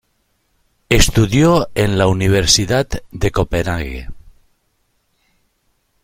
Estudió en la Universidad de Copenhague.